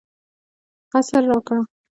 قصر راکړ.